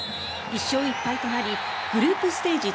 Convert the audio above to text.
１勝１敗となりグループステージ